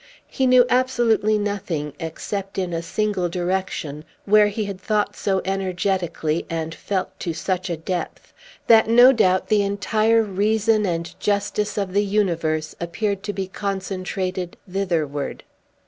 He knew absolutely nothing, except in a single direction, where he had thought so energetically, and felt to such a depth, that no doubt the entire reason and justice of the universe appeared to be concentrated thitherward.